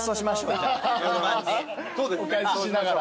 お返ししながら。